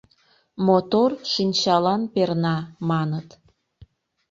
Мотор шинчалан перна, маныт...